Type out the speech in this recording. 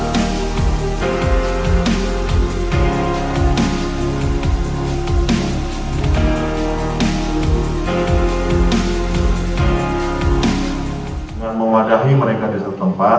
dengan mewadahi mereka di setempat